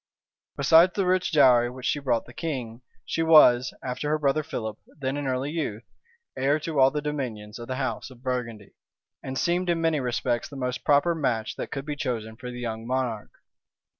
Besides the rich dowry which she brought the king, she was, after her brother Philip, then in early youth, heir to all the dominions of the house of Burgundy; and seemed in many respects the most proper match that could be chosen for the young monarch.